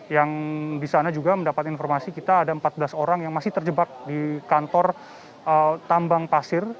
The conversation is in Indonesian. yang di sana juga mendapat informasi kita ada empat belas orang yang masih terjebak di kantor tambang pasir